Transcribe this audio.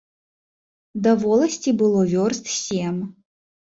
Да воласці было вёрст сем.